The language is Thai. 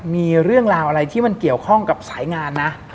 มีเรื่องราวอะไรที่มันเกี่ยวข้องกับสายงานนะ